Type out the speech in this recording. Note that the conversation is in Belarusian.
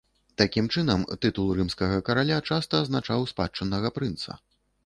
Такім чынам, тытул рымскага караля часта азначаў спадчыннага прынца.